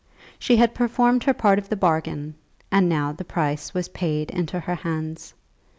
She had performed her part of the bargain, and now the price was paid to her into her hands.